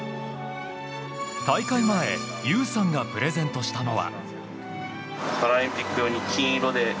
大会前、優さんがプレゼントしたのは。